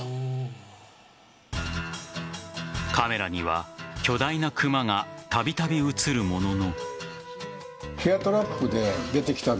カメラには巨大な熊がたびたび映るものの。